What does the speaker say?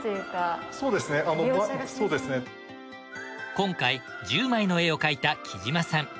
今回１０枚の絵を描いた貴島さん。